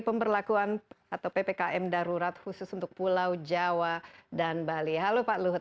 pemberlakuan atau ppkm darurat khusus untuk pulau jawa dan bali halo pak luhut